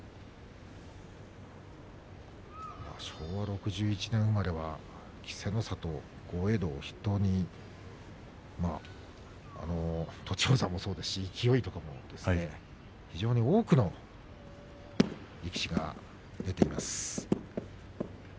昭和６１年生まれは稀勢の里豪栄道を筆頭に栃煌山もそうですし勢非常に多くの力士が出ています。